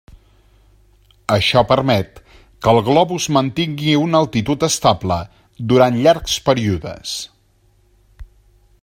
Això permet que el globus mantingui una altitud estable durant llargs períodes.